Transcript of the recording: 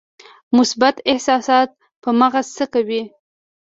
مثبت احساسات په مغز څه کوي؟